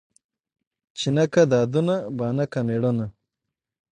ـ چې نه کا دادونه بانه کا مېړونه.